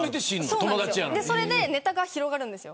それで、ネタが広がるんです。